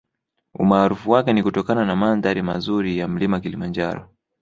Umaarufu wake ni kutokana na mandhari mazuri ya mlima Kilimanjaro